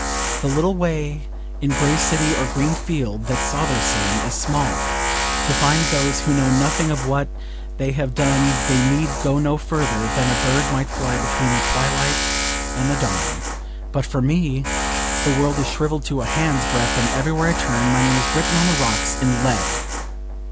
The little way in grey city or green field that saw their sin is small; to find those who know nothing of what they have done they need go no further than a bird might fly between the twilight and the dawn; but for me the world is shrivelled to a handsbreadth, and everywhere I turn my name is written on the rocks in lead.